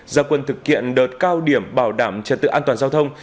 ra quần thực kiện đợt cao điểm bảo đảm trật tự an toàn giao thông